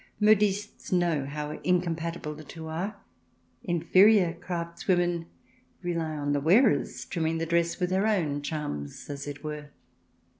Modistes know how incompatible the two are ; inferior craftswomen rely on the wearer's trimming the dress with her own charms, as it were.